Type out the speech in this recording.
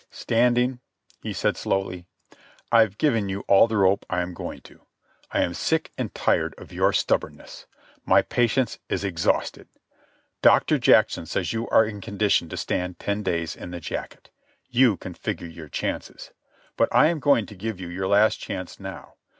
"Standing," he said slowly, "I've given you all the rope I am going to. I am sick and tired of your stubbornness. My patience is exhausted. Doctor Jackson says you are in condition to stand ten days in the jacket. You can figure your chances. But I am going to give you your last chance now.